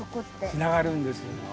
つながるんですよ。